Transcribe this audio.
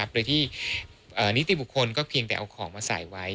โดยที่นิติบุคคลก็เพียงแต่เอาของมาใส่ไว้